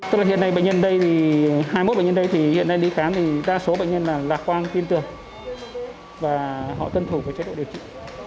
tức là hiện nay bệnh nhân đây thì hai mươi một bệnh nhân đây thì hiện nay lý cán thì đa số bệnh nhân là lạc quan tin tưởng và họ tân thủ với chế độ điều trị